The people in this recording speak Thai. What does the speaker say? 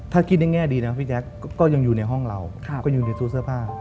ถ้าคิดในแง่ดีนะพี่แจ๊คก็ยังอยู่ในห้องเราก็อยู่ในตู้เสื้อผ้า